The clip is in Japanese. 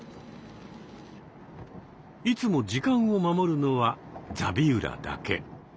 いつも時間を守るのはザビウラだけ。